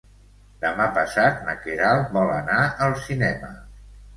Demà passat na Queralt vol anar al cinema.